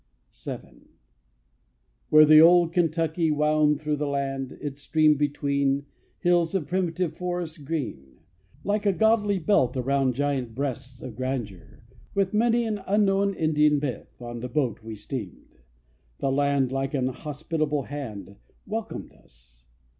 VII. Where the old Kentucky wound Through the land, its stream between Hills of primitive forest green, Like a goodly belt around Giant breasts of grandeur; with Many an unknown Indian myth, On the boat we steamed. The land Like an hospitable hand Welcomed us.